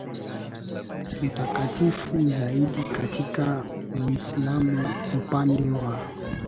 mitakatifu zaidi katika Uislamu Upande wa